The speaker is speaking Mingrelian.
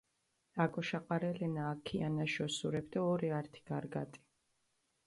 აკოშაყარელენა აქ ქიანაში ოსურეფი დო ორე ართი გარგატი.